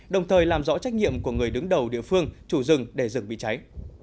đồng thời làm rõ trách nhiệm của người đứng đầu địa phương chủ rừng để rừng bị cháy